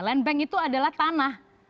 land bank itu adalah tanah